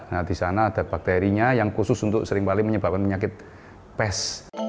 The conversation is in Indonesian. nah di sana ada bakterinya yang khusus untuk seringkali menyebabkan penyakit pes